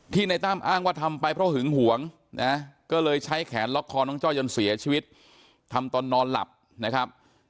ในตั้มอ้างว่าทำไปเพราะหึงหวงนะก็เลยใช้แขนล็อกคอน้องจ้อยจนเสียชีวิตทำตอนนอนหลับนะครับ